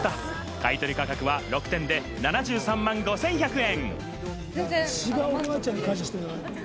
買い取り価格は６点で７３万５１００円。